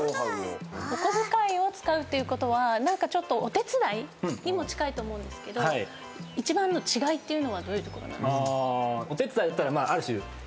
お小遣いを使うっていうことは何かちょっとお手伝いにも近いと思うんですけど一番の違いっていうのはどういうところなんですか？